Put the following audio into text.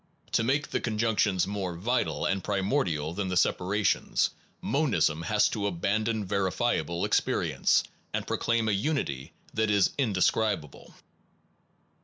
To make the conjunctions more vital and primordial than the separations, monism has to abandon verifiable experience and proclaim a unity that is indescribable.